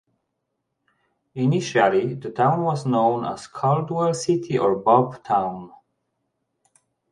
Initially, the town was known as Caldwell City or Bob Town.